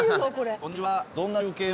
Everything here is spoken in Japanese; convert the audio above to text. こんにちは。